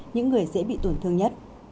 những người dễ bị tổn thương nhất